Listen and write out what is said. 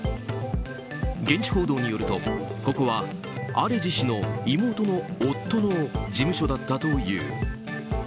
現地報道によると、ここはアレジ氏の妹の夫の事務所だったという。